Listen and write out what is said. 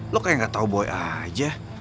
lo kayak gak tau boy aja